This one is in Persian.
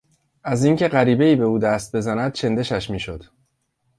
از اینکه غریبهای به او دست بزند چندشش میشد.